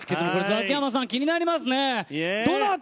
ザキヤマさん、気になりますね。